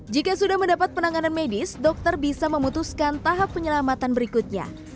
jika sudah mendapat penanganan medis dokter bisa memutuskan tahap penyelamatan berikutnya